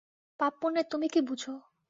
পাপ-পুণ্যের তুমি কী বুঝ?